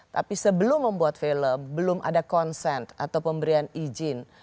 tapi sebelum membuat film belum ada konsen atau pemberian izin